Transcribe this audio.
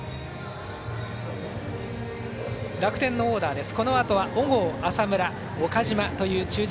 楽天のオーダーです。